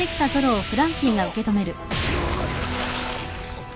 あっ！？